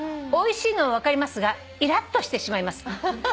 「おいしいのは分かりますがイラッとしてしまいます」